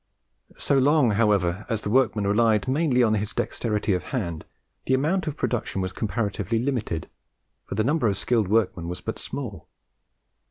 So long, however, as the workman relied mainly on his dexterity of hand, the amount of production was comparatively limited; for the number of skilled workmen was but small.